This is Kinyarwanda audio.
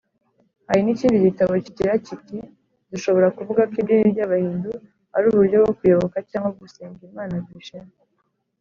hari n’ikindi gitabo kigira kiti dushobora kuvuga ko idini ry’abahindu ari uburyo bwo kuyoboka cyangwa gusenga imana vishinu